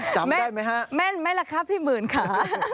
ได้ไหมฮะแม่นไหมล่ะครับพี่หมื่นค่ะ